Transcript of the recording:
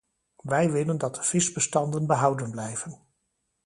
Wij willen dat de visbestanden behouden blijven.